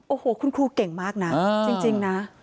โอ้โหคุณครูเก่งมากนะจริงนะ